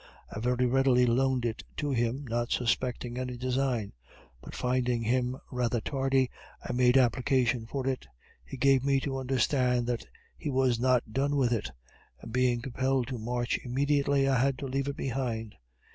I very readily loaned it to him, not suspecting any design; but finding him rather tardy, I made application for it: he gave me to understand that he was not done with it; and being compelled to march immediately, I had to leave it behind.